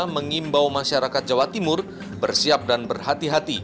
mengimbau masyarakat jawa timur bersiap dan berhati hati